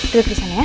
duduk di sana ya